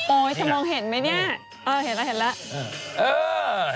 โอ๊ยฉันมองเห็นไหมนี่